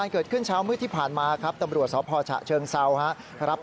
เกิดขึ้นเช้ามืดที่ผ่านมาครับ